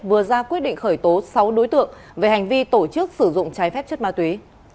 vừa ra quyết định khởi tố sáu đối tượng về hành vi tổ chức sử dụng trái phép chất ma túy